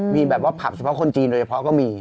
มีแบบว่าผับเฉพาะคนจีนโดยเฉพาะก็มี